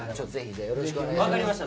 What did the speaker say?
よろしくお願いします。